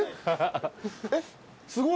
えっすごい。